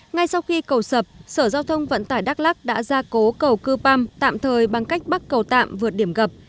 ngay sau khi cầu sập sở giao thông vận tải đắk lắc đã ra cố cầu cư păm tạm thời bằng cách bắt cầu tạm vượt điểm gập